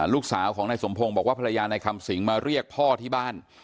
ลูกสาวของนายสมพงศ์บอกว่าภรรยานายคำสิงมาเรียกพ่อที่บ้าน